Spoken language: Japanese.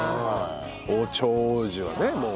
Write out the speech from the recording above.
「包丁王子はねもう」